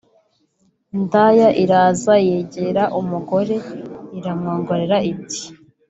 Indaya iraza yegera umugore iramwongorera iti